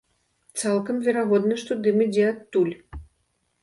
Цалкам верагодна, што дым ідзе адтуль.